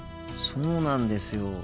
そうなんですよ。